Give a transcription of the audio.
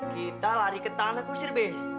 kita lari ke tanah kusir b